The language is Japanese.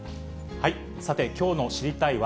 さて、きょうの知りたいッ！